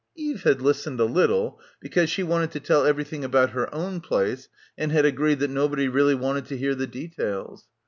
... Eve had listened a little ; because she wanted to tell everything about her own place and had agreed that nobody really wanted to hear the details.